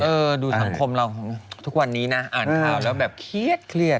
ดูสังคมเราทุกวันนี้นะอ่านข่าวแล้วแบบเครียด